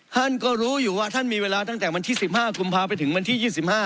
ท่านก็รู้อยู่ว่าท่านมีเวลาตั้งแต่วันที่๑๕กุมภาไปถึงวันที่๒๕